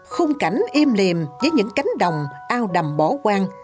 khung cảnh im liềm với những cánh đồng ao đầm bỏ quang